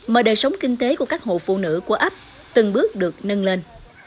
mà đời sống kinh tế của các hộ phụ nữ của ấp từng bước được nâng lên